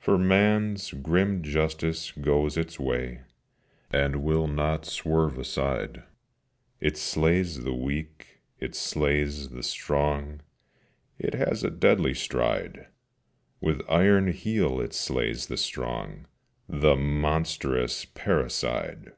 For Man's grim Justice goes its way, And will not swerve aside: It slays the weak, it slays the strong, It has a deadly stride: With iron heel it slays the strong, The monstrous parricide!